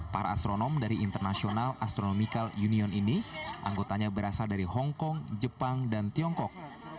para astronom dari international astronomical union ini anggotanya berasal dari hongkong jepang dan tiongkok